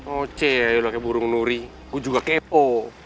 oh ceh yalah kayak burung nuri gua juga kepo